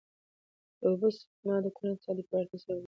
د اوبو سپما د کورني اقتصاد د پیاوړتیا سبب هم ګرځي.